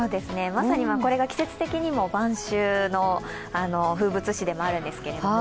まさにこれが季節的にも晩秋の風物詩でもあるんですけれども。